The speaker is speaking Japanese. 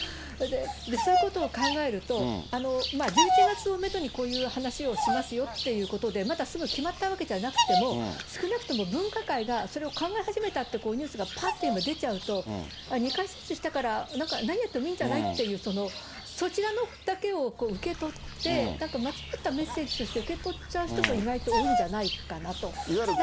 そういうことを考えると、１１月をメドに、こういう話をしますよっていうことで、まだすぐ決まったわけじゃなくても、少なくとも分科会がそれを考え始めたというニュースがぱって今、出ちゃうと、２回接種したから、なんか、何やってもいいんじゃないっていう、そちらだけを受け取って、なんか間違ったメッセージとして受け取っちゃう人も意外と多いんじゃないかなと。